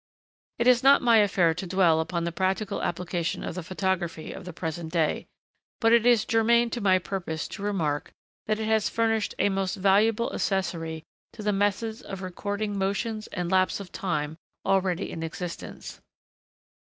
It is not my affair to dwell upon the practical application of the photography of the present day, but it is germane to my purpose to remark that it has furnished a most valuable accessory to the methods of recording motions and lapse of time already in existence.